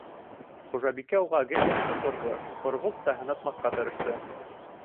Хужабикә уға гел яҡшы торҙо, Һорғолт та һынатмаҫҡа тырышты.